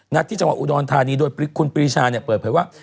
ที่จังหวัดอุดรธานีโดยคุณปรีชาเนี่ยเปิดเผยว่า